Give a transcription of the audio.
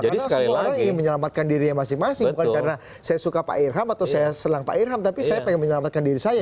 karena semua orang ingin menyelamatkan diri masing masing bukan karena saya suka pak irham atau saya selang pak irham tapi saya pengen menyelamatkan diri saya